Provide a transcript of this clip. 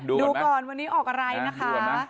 ดูก่อนวันนี้ออกอะไรนะคะ